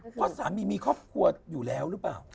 เพราะสามีมีครอบครัวอยู่แล้วหรือเปล่า